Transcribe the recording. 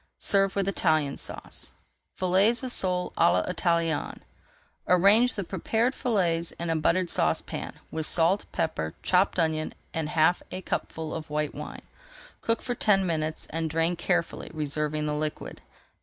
Serve with Italian Sauce. FILLETS OF SOLE À L'ITALIENNE Arrange the prepared fillets in a buttered saucepan, with salt, pepper, chopped onion, and half a cupful of white wine. Cook for ten minutes and drain carefully, reserving the liquid.